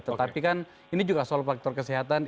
tetapi kan ini juga soal faktor kesehatan